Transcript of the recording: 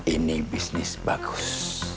ini bisnis bagus